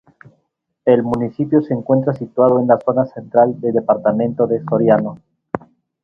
El municipio se encuentra situado en la zona central del departamento de Soriano.